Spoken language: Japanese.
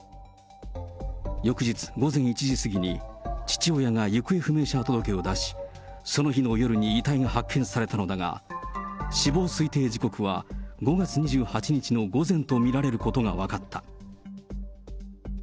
翌日、午前１時過ぎに父親が行方不明者届を出し、その日の夜に遺体が発見されたのだが、死亡推定時刻は５月２８日の午前と見られることが分かった。